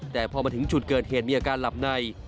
แต่พอมาถึงจุดเกิดเหตุมีอาการหลับใน